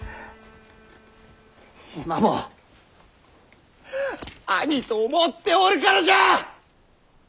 今も兄と思っておるからじゃあ！